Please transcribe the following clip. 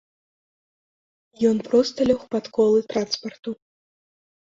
Ён проста лёг пад колы транспарту.